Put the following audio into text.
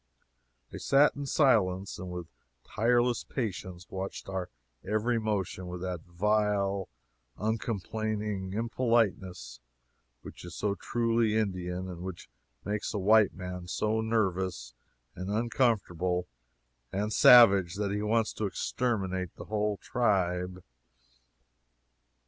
They sat in silence, and with tireless patience watched our every motion with that vile, uncomplaining impoliteness which is so truly Indian, and which makes a white man so nervous and uncomfortable and savage that he wants to exterminate the whole tribe.